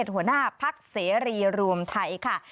หัวหน้าพักเสรีรวมไทยค่ะ